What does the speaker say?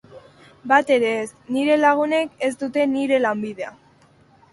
Bat ere ez, nire lagunek ez dute nire lanbidea.